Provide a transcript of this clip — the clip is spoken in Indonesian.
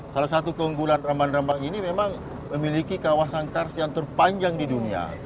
salah satu keunggulan rambang rambang ini memang memiliki kawasan kars yang terpanjang di dunia